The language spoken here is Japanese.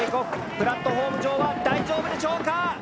プラットホーム上は大丈夫でしょうか。